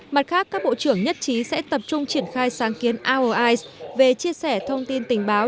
mặt khác các bộ trưởng nhất trí sẽ tập trung triển khai sáng kiến our eyes về chia sẻ thông tin tình báo